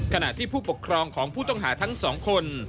ขณะที่ผู้ปกครองของผู้ต้องหาทั้งสองคน